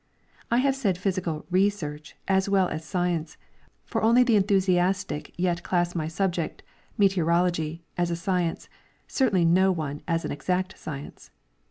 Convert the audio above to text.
I have said physical "' research " as well as science, for only the enthusiastic yet class my subject — meteorology — as a science, certainly no one as an exact science.